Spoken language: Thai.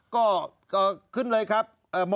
ก็ขึ้นเลยครับ